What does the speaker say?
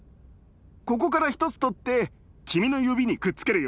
ここから１つ取って君の指にくっつけるよ。